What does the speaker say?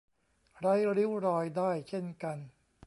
ไร้ริ้วรอยได้เช่นกัน